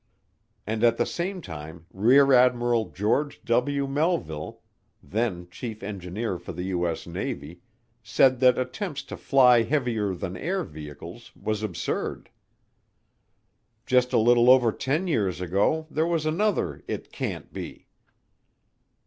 And at the same time Rear Admiral George W. Melville, then Chief Engineer for the U.S. Navy, said that attempts to fly heavier than air vehicles was absurd. Just a little over ten years ago there was another "it can't be."